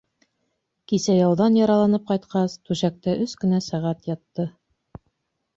Кисә яуҙан яраланып ҡайтҡас, түшәктә өс кенә сәғәт ятты.